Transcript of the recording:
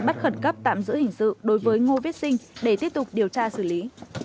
bắt khẩn cấp tạm giữ hình sự đối với ngô viết sinh để tiếp tục điều tra xử lý